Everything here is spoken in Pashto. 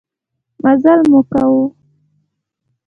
مزلمو کاوه.